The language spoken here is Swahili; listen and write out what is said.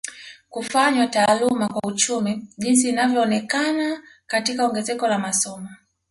Kufanywa taaluma kwa uchumi jinsi inavyoonekana katika ongezeko la masomo